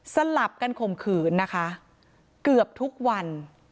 สลับกันข่มขืนนะคะเกือบทุกวัน